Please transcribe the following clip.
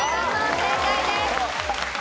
正解です。